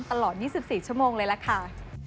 ตลอด๒๔ชั่วโมงเลยล่ะค่ะ